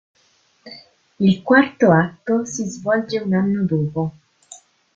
Il Quarto atto si svolge un anno dopo.